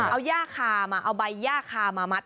เอาย่าคามาเอาใบย่าคามามัด